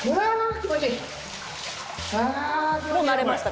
気持ちいい！